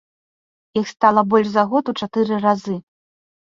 Іх стала больш за год у чатыры разы!